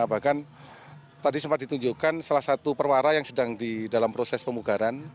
bahkan tadi sempat ditunjukkan salah satu perwara yang sedang di dalam proses pemugaran